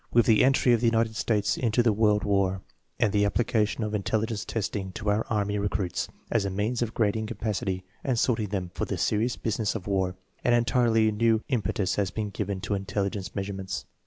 With the entry of the United States into the World War, and the application of intelligence testing to our army recruits as a means of grading capacity 'and sorting them for the serious busi ness of war, an entirely new impetus has been given to intelligence measurements.